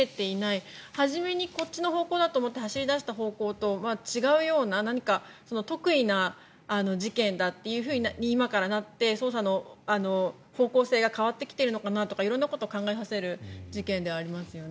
最初にこっちの方向だと思って走り出した方向と違うような何か特異な事件だって今からなって、捜査の方向性が変わってきているのかなと色んなことを考えさせられる事件ですよね。